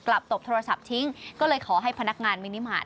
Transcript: ตบโทรศัพท์ทิ้งก็เลยขอให้พนักงานมินิมาตร